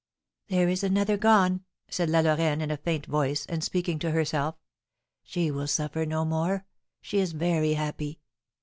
"There is another gone!" said La Lorraine, in a faint voice, and speaking to herself. "She will suffer no more; she is very happy!"